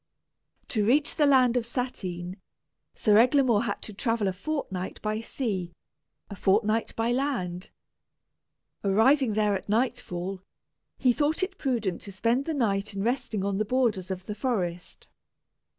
To reach the land of Satyn, Sir Eglamour had to travel a fortnight by sea, a fortnight by land. Arriving there at nightfall, he thought it prudent to spend the night in resting on the borders of the forest.